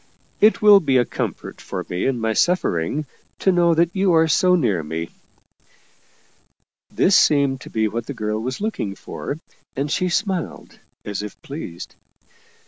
" It will be a comfort for me in my suffering, to know that you are so near me." This seemed to be what the girl was looking for, and she smiled as if pleased.